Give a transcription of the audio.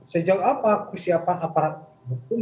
sejauh apa kesiapan aparat hukum